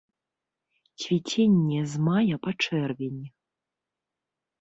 Цвіценне з мая па чэрвень.